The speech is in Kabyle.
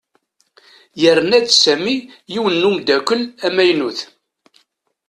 Yerna-d Sami yiwen n umeddakel amaynut.